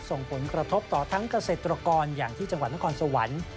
ส่งผลกระทบต่อทั้งเกษตรกรอย่างที่จังหวัดนครสวรรค์